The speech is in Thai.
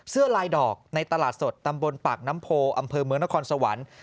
เสื้อลายดอกในตลาดสดตำบลปากน้ำโพอำเภอเมืองนครสวรรค์